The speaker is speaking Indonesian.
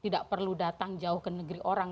tidak perlu datang jauh ke negeri orang